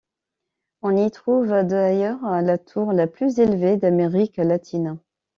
On y trouve, d'ailleurs, la tour la plus élevée d'Amérique Latine.